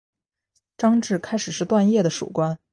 张骘开始是段业的属官。